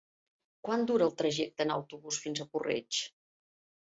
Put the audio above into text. Quant dura el trajecte en autobús fins a Puig-reig?